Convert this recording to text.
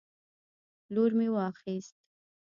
لور مې واخیست